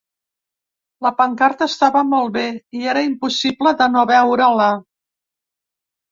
La pancarta estava molt bé i era impossible de no veure-la.